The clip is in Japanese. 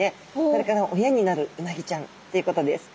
これから親になるうなぎちゃんってことです。